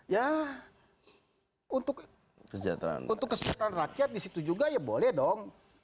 ya untuk kesejahteraan rakyat disitu juga ya boleh dong